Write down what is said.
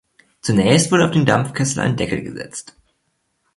Zunächst wurde auf den Dampfkessel ein Deckel gesetzt.